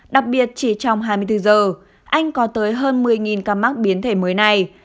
đặc biệt chỉ trong hai mươi bốn giờ anh có tới hơn một mươi ca mắc biến thể mới này